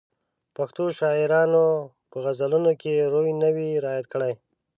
پښتو شاعرانو په غزلونو کې روي نه وي رعایت کړی.